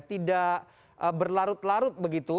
tidak berlarut larut begitu